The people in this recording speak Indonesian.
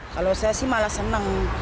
kalau saya sih malah senang